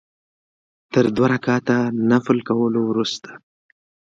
تر دوه رکعته نفل کولو وروسته.